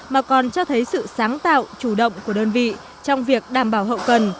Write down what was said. mà còn cho thấy sự sáng tạo chủ động của đơn vị trong việc đảm bảo hậu cần